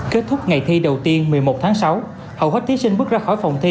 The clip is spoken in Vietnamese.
kết thúc ngày thi đầu tiên một mươi một tháng sáu hầu hết thí sinh bước ra khỏi phòng thi